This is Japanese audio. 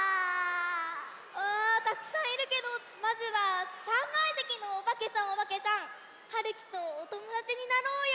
あたくさんいるけどまずは３がいせきのおばけさんおばけさん！はるきとおともだちになろうよ。